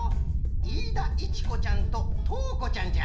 いいだいちこちゃんととうこちゃんじゃ。